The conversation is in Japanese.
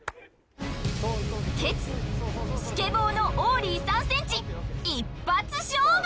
ケツスケボーのオーリー３センチ一発勝負！